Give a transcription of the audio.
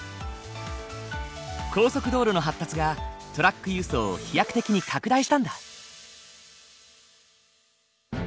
高速道路の発達がトラック輸送を飛躍的に拡大したんだ。